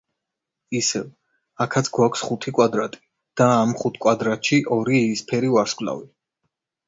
ისევ, აქაც გვაქვს ხუთი კვადრატი, და ამ ხუთ კვადრატში ორი იისფერი ვარსკვლავი.